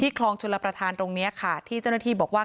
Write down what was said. คลองชลประธานตรงนี้ค่ะที่เจ้าหน้าที่บอกว่า